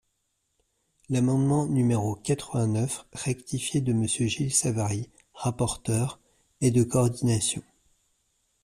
L’amendement numéro quatre-vingt-neuf rectifié de Monsieur Gilles Savary, rapporteur, est de coordination.